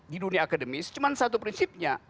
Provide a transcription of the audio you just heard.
di dunia akademis cuma satu prinsipnya